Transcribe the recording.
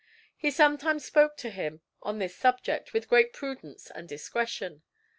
He sometimes spoke to him on this subject with great prudence and discretion.